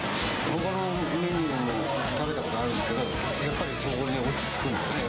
ほかのメニューも食べたことあるんですけど、やっぱりそこに落ち着くんですね。